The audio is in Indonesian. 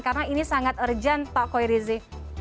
karena ini sangat urgent pak koirizi